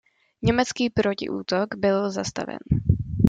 Německý protiútok byl zastaven.